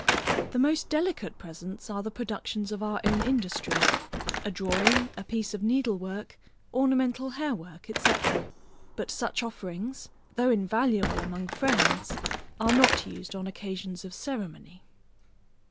The most delicate presents are the productions of our own industry; a drawing, a piece of needle work, ornamental hair work, &c. But such offerings, though invaluable among friends, are not used on occasions of ceremony.